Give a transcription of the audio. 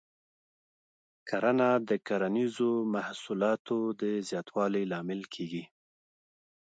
کرنه د کرنیزو محصولاتو د زیاتوالي لامل کېږي.